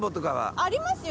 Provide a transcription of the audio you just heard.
ありますよ